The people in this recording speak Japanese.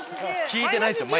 聞いてないですよ